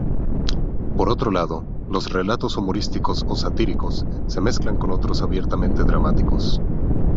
Por otro lado, los relatos humorísticos o satíricos se mezclan con otros abiertamente dramáticos.